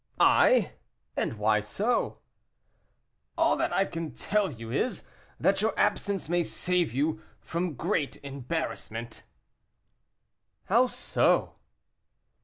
"I! and why so?" "All that I can tell you is, that your absence may save you from great embarrassment." "How so?"